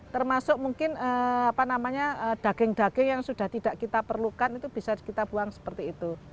termasuk mungkin daging daging yang sudah tidak kita perlukan itu bisa kita buang seperti itu